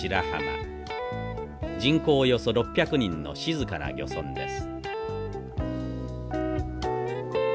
人口およそ６００人の静かな漁村です。